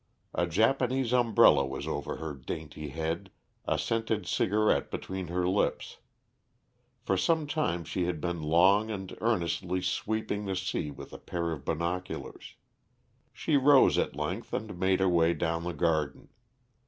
A Japanese umbrella was over her dainty head, a scented cigarette between her lips. For some time she had been long and earnestly sweeping the sea with a pair of binoculars. She rose at length and made her way down the garden.